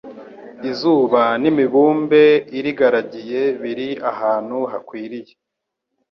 izuba n'imibumbe irigaragiye biri ahantu hakwiriye